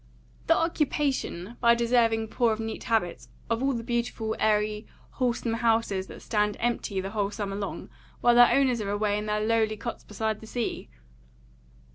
"The occupation, by deserving poor of neat habits, of all the beautiful, airy, wholesome houses that stand empty the whole summer long, while their owners are away in their lowly cots beside the sea."